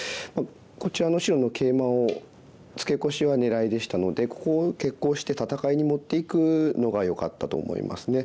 こちらの白のケイマをツケコシは狙いでしたのでここを決行して戦いに持っていくのがよかったと思いますね。